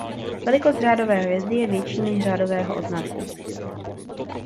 Velikost řádové hvězdy je větší než řádového odznaku.